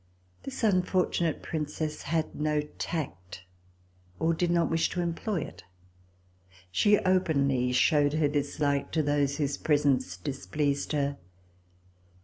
This unfortunate Princess had no tact, or did not wish to employ it. She openly showed her dislike to those whose presence displeased her.